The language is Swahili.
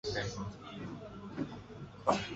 walitawaliwa na Wahinda Wabito na Wankango